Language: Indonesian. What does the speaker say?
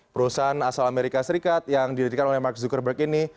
perusahaan asal amerika serikat yang didirikan oleh mark zuckerberg ini